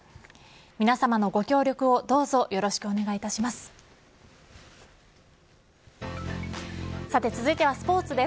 皆さまのご協力をどうぞよろしくお願いいたします。